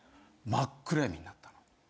真っ暗闇になったの。